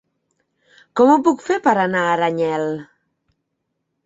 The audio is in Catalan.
Com ho puc fer per anar a Aranyel?